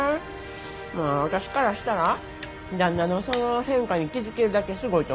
まあ私からしたら旦那のその変化に気付けるだけすごいと思うけどね。